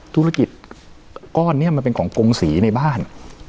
ธุรกิจก้อนนี้มันเป็นของกงศรีในบ้าน